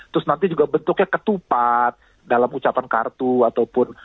terus nanti juga bentuknya ketupat dalam ucapan kartu ataupun